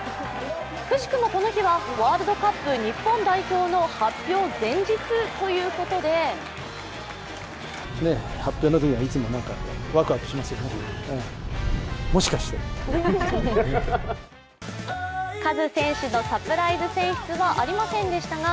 くしくも、この日はワールドカップ日本代表の発表前日ということでカズ選手のサプライズ選出はありませんでしたが